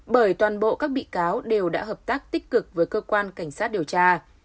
bởi toàn bộ các bị cáo đều đã hợp tác tích cực với cơ quan cảnh sát điều tra